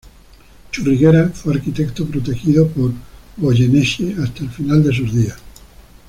Churriguera fue arquitecto protegido por Goyeneche hasta el final de sus días.